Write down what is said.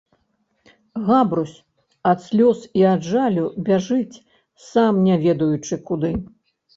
Габрусь ад слёз i ад жалю бяжыць, сам не ведаючы куды.